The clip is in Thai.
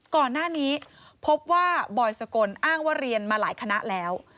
ก่อนหน้านี้พบว่าบอยสกลอ้างว่าเรียนมาหลายคณะแล้ว